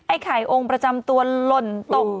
ไข่องค์ประจำตัวหล่นตก